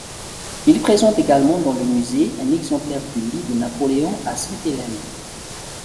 Il présente également dans le musée un exemplaire du lit de Napoléon à Sainte-Hélène.